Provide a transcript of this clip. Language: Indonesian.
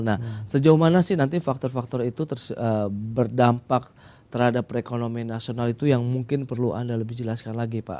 nah sejauh mana sih nanti faktor faktor itu berdampak terhadap perekonomian nasional itu yang mungkin perlu anda lebih jelaskan lagi pak